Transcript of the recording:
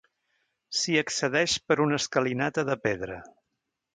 S'hi accedeix per una escalinata de pedra.